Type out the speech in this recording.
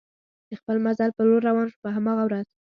د خپل مزل په لور روان شوم، په هماغه ورځ.